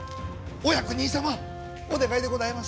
お役人さまお願いでございます！